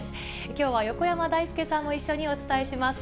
きょうは横山だいすけさんも一緒にお伝えします。